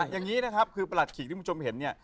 อย่างนี้นะครับคือประหลัดขีกที่คุณผู้ชมเห็นเนี่ย